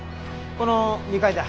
この２階だ。